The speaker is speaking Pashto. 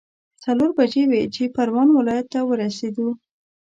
څلور بجې وې چې پروان ولايت ته ورسېدو.